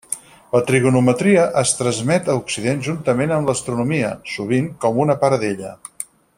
La trigonometria es transmet a Occident juntament amb l'astronomia, sovint com una part d'ella.